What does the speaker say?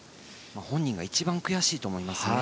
本人が一番悔しいと思います。